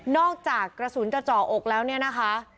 อกจากกระสุนจะเจาะอกแล้วเนี่ยนะคะ